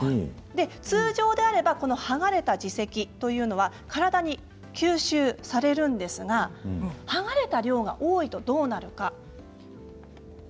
通常であれば剥がれた耳石というのは体に吸収されるんですが剥がれた量が多いとどうなるのか。